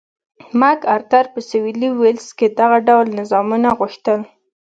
مک ارتر په سوېلي ویلز کې دغه ډول نظامونه غوښتل.